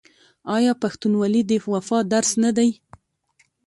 آیا پښتونولي د وفا درس نه دی؟